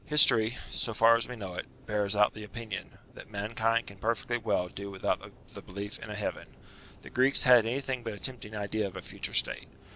History, so far as we know it, bears out the opinion, that mankind can perfectly well do without the belief in a heaven. The Greeks had anything but a tempting idea of a future state.